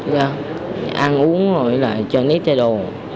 dạ ăn uống rồi lại cho nít thay đồ